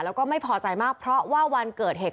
แล้วก็ไม่พอใจมากเพราะว่าวันเกิดเหตุ